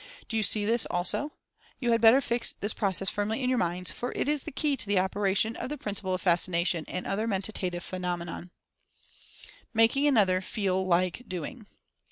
Do you see this also? You had better fix this process firmly in your minds, for it is the key to the operation of the princi ple of Fascination, and other Mentative Phenomena. MAKING ANOTHER "FEEL LIKE" DOING.